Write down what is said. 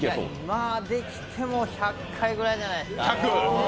今できても１００回ぐらいじゃないですか。